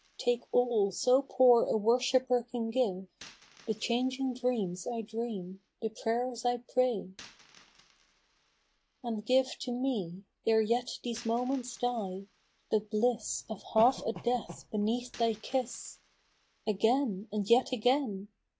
Take all so poor a worshipper can give, — The changing dreams I dream — the pray'rs I pray : 14. And give to me^ 'ere yet these moments die. The bliss of half a death beneath thy kiss ! Again, and yet again